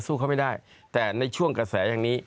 เขาไม่ได้แต่ในช่วงกระแสอย่างนี้